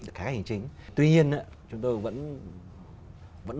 tuy nhiên chúng tôi vẫn